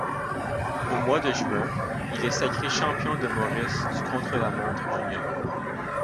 Au mois de juin, il est sacré champion de Maurice du contre-la-montre juniors.